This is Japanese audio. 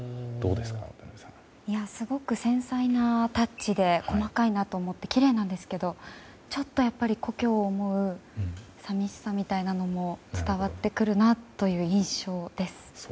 すごく繊細なタッチで細かいなと思ってきれいなんですけどちょっと故郷を思うさみしさみたいなものも伝わってくるなという印象です。